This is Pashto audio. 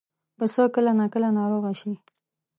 پسه کله ناکله ناروغه شي.